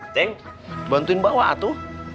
ceng bantuin bawa atu